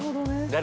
誰？